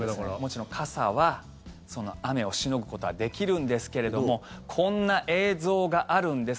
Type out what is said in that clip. もちろん傘は雨をしのぐことはできるんですけれどもこんな映像があるんです。